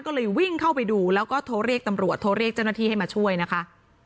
ก็เลยวิ่งเข้าไปดูแล้วก็โทรเรียกตำรวจโทรเรียกเจ้าหน้าที่ให้มาช่วยนะคะ